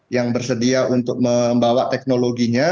yang bersedia untuk membawa teknologinya